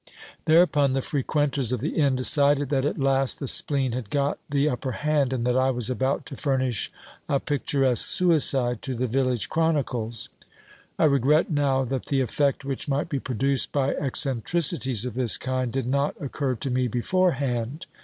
Thereupon the frequenters of the inn decided that at last the spleen had got the upper hand, and that I was about to furnish a picturesque suicide to the village chronicles. I regret now that the effect which might be produced by eccentricities of this kind did not occur to me beforehand.